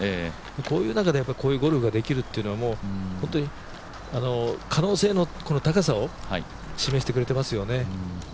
こういう中でこういうゴルフができるっていうのは可能性の高さを示してくれてますよね。